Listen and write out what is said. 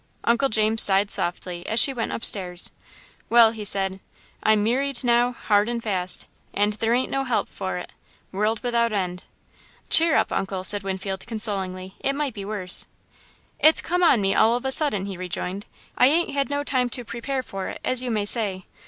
Uncle James sighed softly, as she went upstairs. "Well," he said, "I'm merried now, hard and fast, and there ain't no help for it, world without end." "Cheer up, Uncle," said Winfield, consolingly, "it might be worse." "It's come on me all of a sudden," he rejoined. "I ain't had no time to prepare for it, as you may say.